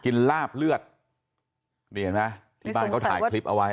ลาบเลือดนี่เห็นไหมที่บ้านเขาถ่ายคลิปเอาไว้